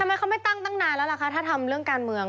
ทำไมเขาไม่ตั้งตั้งนานแล้วล่ะคะถ้าทำเรื่องการเมือง